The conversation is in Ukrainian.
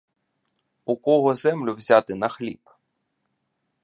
У кого землю взяти на хліб?